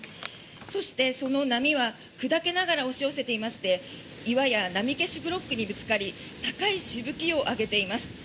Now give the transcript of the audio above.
そして、その波は砕けながら押し寄せていまして岩や波消しブロックにぶつかり高いしぶきを上げています。